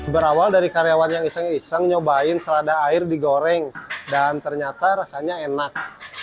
berawal dari karyawan yang iseng iseng nyobain selada air digoreng dan ternyata rasanya enak